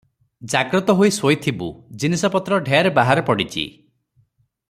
ଜାଗ୍ରତ ହୋଇ ଶୋଇଥିବୁ, ଜିନିଷପତ୍ର ଢେର ବାହାରେ ପଡ଼ିଛି ।"